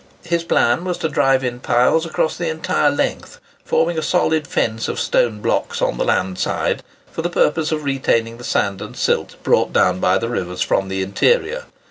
His plan was to drive in piles across the entire length, forming a solid fence of stone blocks on the land side for the purpose of retaining the sand and silt brought down by the rivers from the interior.